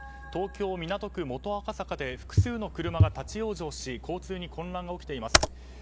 東京・港区元赤坂で複数の車が立ち往生し交通に混乱が起きています。